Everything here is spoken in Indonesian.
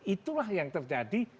itulah yang terjadi